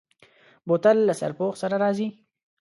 بوتل له سرپوښ سره راځي.